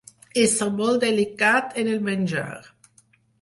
Ésser molt delicat en el menjar.